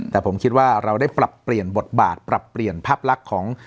แต่ผมคิดว่าเราได้ปรับเปลี่ยนบทบาทปรับเปลี่ยนภาพลักษณ์ของ